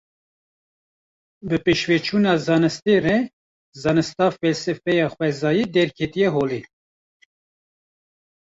Bi pêşveçûna zanistê re, zanista felsefeya xwezayê derketiye holê